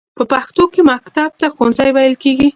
په پښتو کې مکتب ته ښوونځی ویل کیږی.